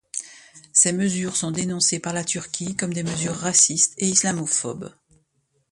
Ces mesures sont dénoncées par la Turquie comme des mesures racistes et islamophobes.